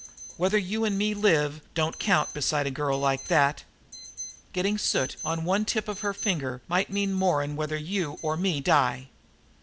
"Whether you and me live, don't count beside a girl like that. Getting soot on one tip of her finger might mean more'n whether you or me die."